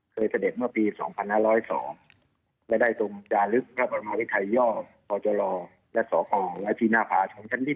เคยเสด็จเมื่อปี๒๑๐๒และได้ตรงจานลึกพระบรมวิทยายอบพอจลและสคไว้ที่หน้าผ่าชงชั้นที่๑